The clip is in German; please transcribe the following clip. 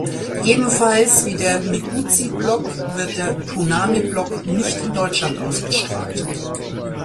Ebenfalls wie der Miguzi-Block wird der Toonami-Block nicht in Deutschland ausgestrahlt.